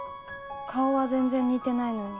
顔は全然似てないのに。